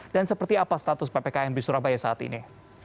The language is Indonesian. dan seperti apa status ppkm di surabaya saat ini